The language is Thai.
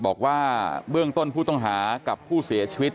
บอกว่าเบื้องต้นผู้ต้องหากับผู้เสียชีวิต